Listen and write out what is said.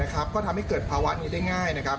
ก็ทำให้เกิดภาวะนี้ได้ง่าย